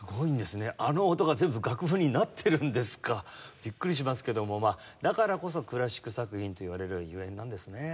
ビックリしますけどもまあだからこそクラシック作品といわれるゆえんなんですね。